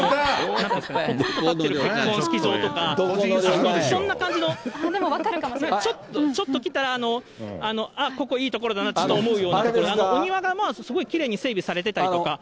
結婚式場とか、そんな感じの、ちょっと来たら、あっ、ここいい所だなと思うような、お庭がまあ、すごいきれいに整備されてたりとか。